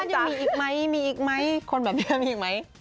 พี่บ้านยังมีอีกมั้ยมีอีกมั้ยคนแบบนี้มีอีกมั้ย